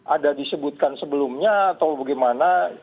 ada disebutkan sebelumnya atau bagaimana